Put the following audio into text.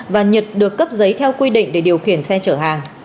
và nhật được cấp giấy theo quy định để điều khiển xe chở hàng